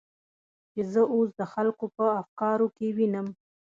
چې زه اوس د خلکو په افکارو کې وینم.